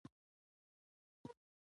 یوه ډله دې په شعر کې نومونه پیدا کړي.